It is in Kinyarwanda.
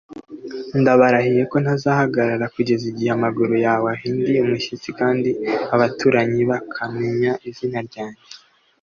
ndabarahiye ko ntazahagarara kugeza igihe amaguru yawe ahinda umushyitsi kandi abaturanyi bakamenya izina ryanjye